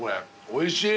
おいしい。